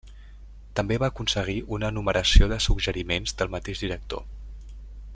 També va aconseguir una enumeració de suggeriments del mateix director.